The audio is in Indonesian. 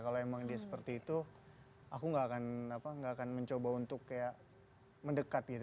kalau memang dia seperti itu aku enggak akan apa enggak akan mencoba untuk kayak mendekat gitu